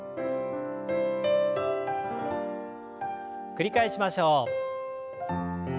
繰り返しましょう。